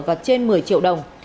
và trên một mươi triệu đồng